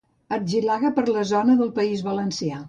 Argilaga per la zona del País Valencià.